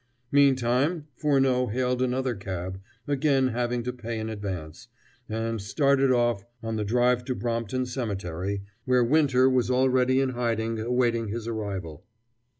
Meantime, Furneaux hailed another cab, again having to pay in advance, and started off on the drive to Brompton Cemetery where Winter was already in hiding, awaiting his arrival.